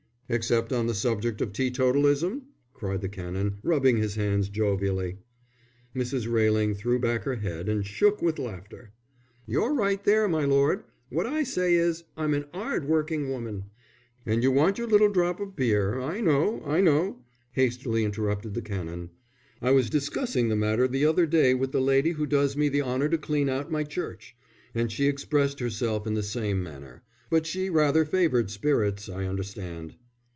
"Except on the subject of teetotalism?" cried the Canon, rubbing his hands jovially. Mrs. Railing threw back her head and shook with laughter. "You're right there, my lord. What I say is, I'm an 'ard working woman." "And you want your little drop of beer, I know, I know," hastily interrupted the Canon. "I was discussing the matter the other day with the lady who does me the honour to clean out my church, and she expressed herself in the same manner; but she rather favoured spirits, I understand."